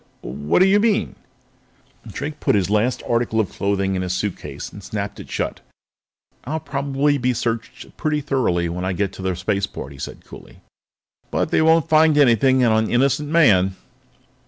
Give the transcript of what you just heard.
"Wha what do you mean?" Drake put his last article of clothing in his suitcase and snapped it shut. "I'll probably be searched pretty thoroughly when I get to the spaceport," he said coolly, "but they won't find anything on an innocent man."